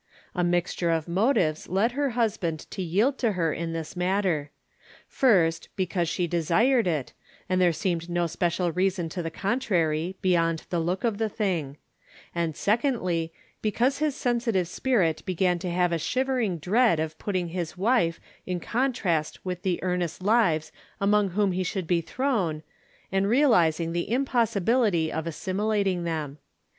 A mixture of motives led her husband to yield to her in this matter. First, because she desired it, and there seemed no special reason to the contrary beyond the look of the thing ; and, secondly, because his sensitive spirit began to have a shivering dread of putting his wife in contrast with the earnest lives among which he should be thrown, and rea lizing the impossibility of assimilating them.